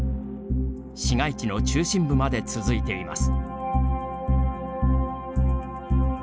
市街地の中心部まで続いています。